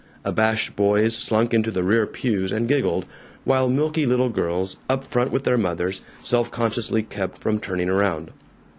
Abashed boys slunk into the rear pews and giggled, while milky little girls, up front with their mothers, self consciously kept from turning around.